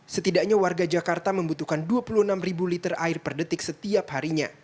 setidaknya warga jakarta membutuhkan dua puluh enam liter air per detik setiap harinya